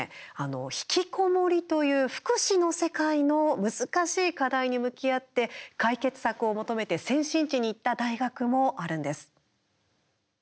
ひきこもりという福祉の世界の難しい課題に向き合って解決策を求めて先進地に行った大学もあるんです。